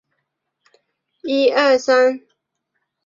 维拉港和卢甘维尔有一些的士和小型巴士。